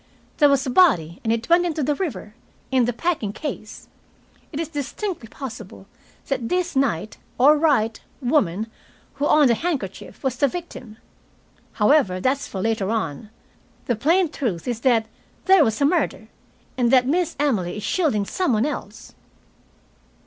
"There was a body, and it went into the river in the packing case. It is distinctly possible that this Knight or Wright woman, who owned the handkerchief, was the victim. However, that's for later on. The plain truth is, that there was a murder, and that Miss Emily is shielding some one else."